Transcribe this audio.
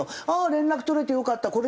ああ連絡取れてよかった。